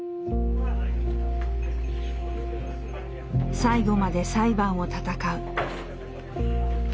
最後まで裁判を闘う。